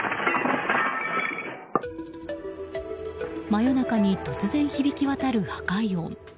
真夜中に突然、響き渡る破壊音。